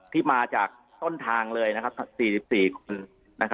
ที่มาจากต้นทางเลย๔๔คน